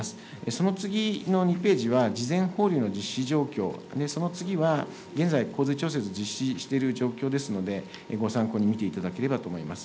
その次の２ページは、事前放流の実施状況、その次は、現在、洪水調整実施している状況ですので、ご参考に見ていただければと思います。